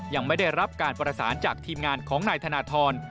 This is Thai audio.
ยังไม่ได้รับการประสานจากทีมงานของนายธนทร